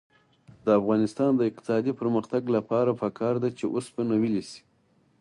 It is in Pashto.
د افغانستان د اقتصادي پرمختګ لپاره پکار ده چې اوسپنه ویلې شي.